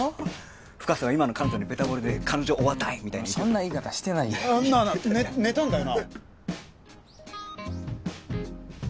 深瀬は今の彼女にベタぼれで彼女オアダイみたいな勢いそんな言い方してないよ寝たんだよな？